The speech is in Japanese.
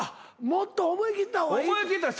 もっと思い切った方がいいと。